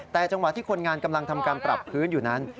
แต่จังหวะที่คนงานกำลังทำการปรับพื้นอยู่นั้น